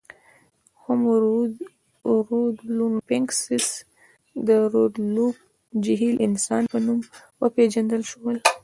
هومو رودولفنسیس د رودولف جهیل انسان په نوم وپېژندل شو.